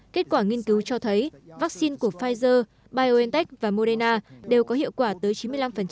kết quả nghiên cứu cho thấy vaccine của pfizer biontech và moderna đều có hiệu quả tới chín mươi năm